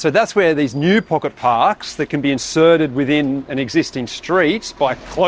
dengan menutupi ke mobil